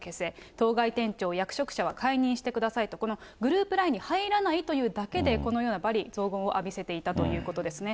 当該店長、役職者は解任してくださいと、グループラインに入らないというだけでこのような罵詈雑言を浴びせていたということですね。